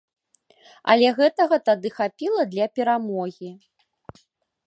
Але гэтага тады хапіла для перамогі!